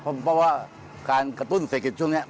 เพราะว่าการกระตุ้นเศรษฐกิจช่วงนี้